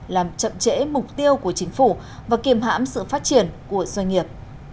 làm chậm chẽ mục tiêu của chính phủ và kiềm hãm sự phát triển của doanh nghiệp